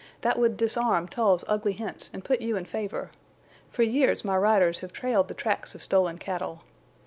That would disarm Tull's ugly hints and put you in favor. For years my riders have trailed the tracks of stolen cattle.